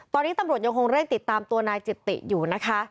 ตอนนี้ตำรวจยังคงเร่งติดตามตัวนายจิตติอยู่นะคะ